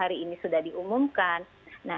kami sudah melakukan pengumuman di rumah